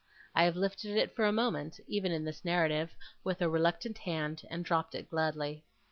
I have lifted it for a moment, even in this narrative, with a reluctant hand, and dropped it gladly.